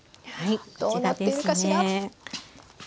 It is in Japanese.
どうなってるかしら？